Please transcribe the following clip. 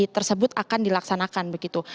tersebut akan dilaksanakan begitu